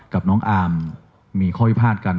กับน้องอามมีข้อวิภาคกัน